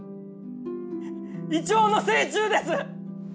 イチョウの精虫です！